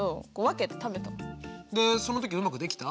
でその時うまくできた？